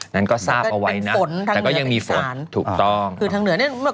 นั้นก็ทราบเอาไว้นะฝนแต่ก็ยังมีฝนถูกต้องคือทางเหนือเนี่ย